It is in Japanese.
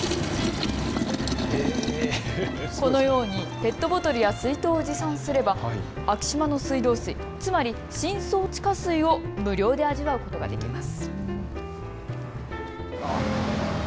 ペットボトルや水筒を持参すれば昭島の水道水、つまり、深層地下水を無料で味わうことができます。